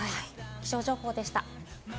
気象情報でした。